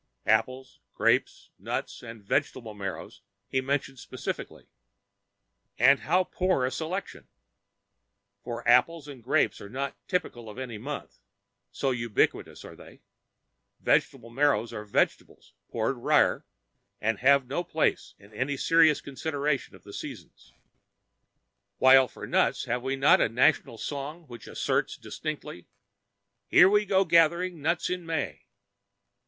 Apples, grapes, nuts, and vegetable marrows he mentions specially and how poor a selection! For apples and grapes are not typical of any month, so ubiquitous are they, vegetable marrows are vegetables pour rire and have no place in any serious consideration of the seasons, while as for nuts, have we not a national song which asserts distinctly, "Here we go gathering nuts in May"?